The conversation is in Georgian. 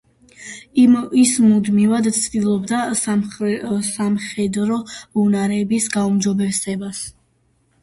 ის მუდმივად ცდილობდა სამხედრო უნარების გაუმჯობესებას.